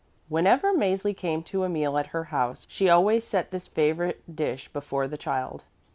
Whenever Mäzli came to a meal at her house, she always set this favorite dish before the child.